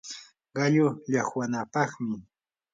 qallu llaqwanapaqmi